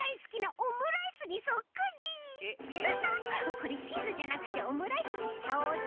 これチーズじゃなくてオムライスにしちゃおうっと！